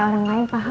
terima kasih ya